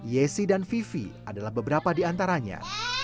yesi dan vivi adalah beberapa di antaranya